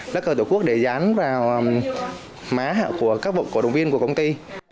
lá cờ tổ quốc để dán vào má của các vụ cổ đồng viên của công ty